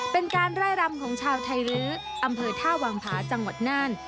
เป็นการไล่รำของชาวไทยรื้ออำเภอท่าวังผาจังหวัดน่าน